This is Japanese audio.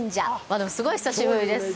でも、すごい久しぶりです。